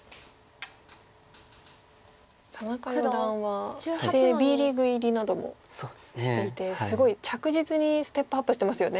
田中四段は棋聖Ｂリーグ入りなどもしていてすごい着実にステップアップしてますよね。